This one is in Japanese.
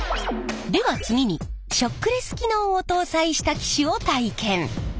では次にショックレス機能を搭載した機種を体験。